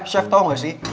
chef tau gak sih